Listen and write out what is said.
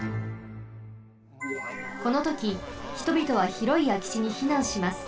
このとき人びとはひろいあきちにひなんします。